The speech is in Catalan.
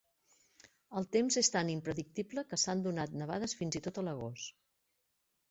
El temps és tan impredictible que s'han donat nevades fins i tot a l'agost.